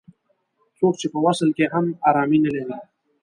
څوک چې په وصل کې هم ارامي نه لري.